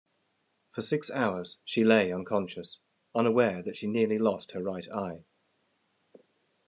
For six hours, she lay unconscious, unaware that she nearly lost her right eye.